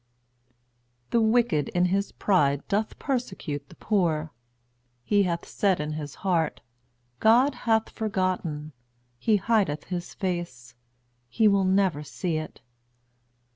"The wicked in his pride doth persecute the poor. He hath said in his heart, God hath forgotten; He hideth his face; He will never see it.